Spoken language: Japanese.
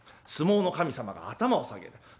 相撲の神様が頭を下げる。